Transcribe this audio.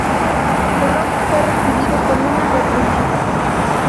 Su logro fue recibido con una reprimenda.